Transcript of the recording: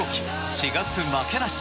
４月負けなし。